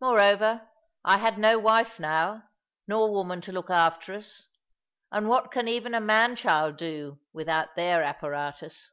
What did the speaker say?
Moreover, I had no wife now, nor woman to look after us; and what can even a man child do, without their apparatus?